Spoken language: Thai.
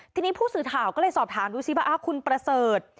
ทีนี้ผู้สื่อข่าวก็เลยสอบถามดูซิว่าคุณประเสริฐ